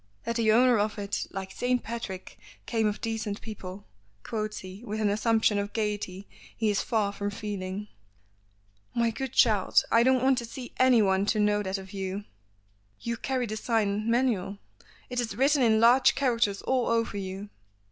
"That the owner of it, like St. Patrick, came of decent people," quotes he with an assumption of gaiety he is far from feeling. "My good child, I don't want to see anyone to know that of you. You carry the sign manual. It is written in large characters all over you."